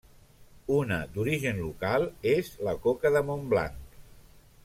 Una d'origen local és la coca de Montblanc.